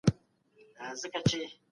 که قانون پلي نسي زورواکي زياتيږي.